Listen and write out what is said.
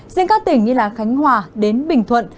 riêng các tỉnh như khánh hòa đến bình thuận